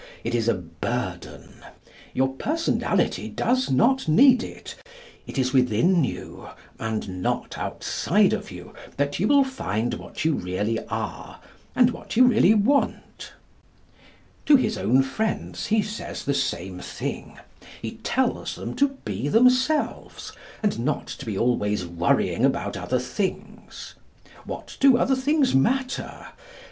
It is a burden. Your personality does not need it. It is within you, and not outside of you, that you will find what you really are, and what you really want.' To his own friends he says the same thing. He tells them to be themselves, and not to be always worrying about other things. What do other things matter?